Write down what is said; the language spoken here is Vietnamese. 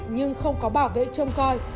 nhưng không có bảo vệ trông coi